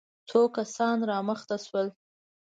څو کسان را مخته شول.